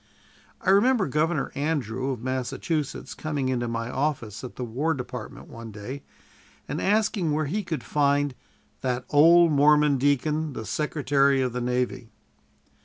I remember Governor Andrew, of Massachusetts, coming into my office at the War Department one day and asking where he could find "that old Mormon deacon, the Secretary of the Navy."